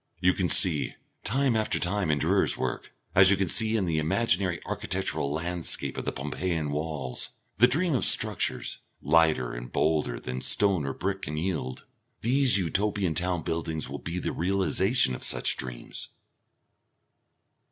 You can see, time after time, in Durer's work, as you can see in the imaginary architectural landscape of the Pompeian walls, the dream of structures, lighter and bolder than stone or brick can yield.... These Utopian town buildings will be the realisation of such dreams.